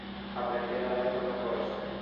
Aprender a ver con el corazón.